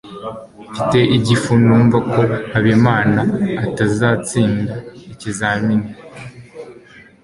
mfite igifu numva ko habimana atazatsinda ikizamini